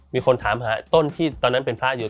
มีคนถามหาต้นที่ตอนนั้นเป็นพระอยู่